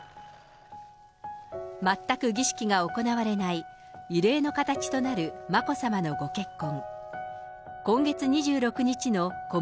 全く儀式が行われない異例の形となる眞子さまのご結婚。